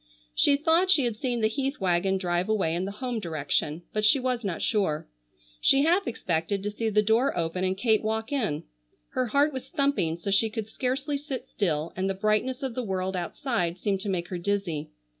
She thought she had seen the Heath wagon drive away in the home direction, but she was not sure. She half expected to see the door open and Kate walk in. Her heart was thumping so she could scarcely sit still and the brightness of the world outside seemed to make her dizzy.